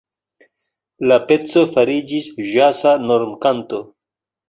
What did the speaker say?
La peco fariĝis ĵaza normkanto.